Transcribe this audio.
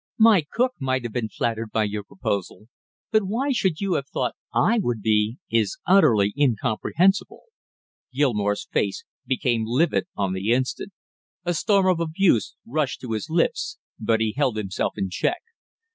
"My cook might have been flattered by your proposal; but why you should have thought I would be, is utterly incomprehensible." Gilmore's face became livid on the instant. A storm of abuse rushed to his lips but he held himself in check.